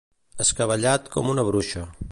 Escabellat com una bruixa.